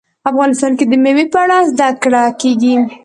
افغانستان کې د مېوې په اړه زده کړه کېږي.